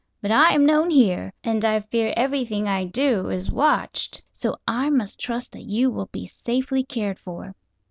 "But I am known here, and I fear everything I do is watched. So I must trust that you will be safely cared for."